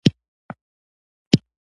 زه بيخي هېښ سوى وم.